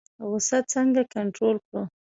غوسه څنګه کنټرول کړو؟